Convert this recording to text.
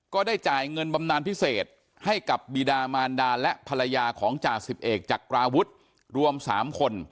ก็ได้จ่ายเงินบำนานพิเศษให้กับบีดามารดาและภรรยาของจ่าสิบเอกจักราวุฒิรวม๓คน